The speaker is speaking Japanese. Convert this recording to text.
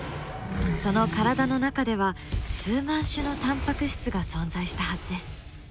その体の中では数万種のタンパク質が存在したはずです。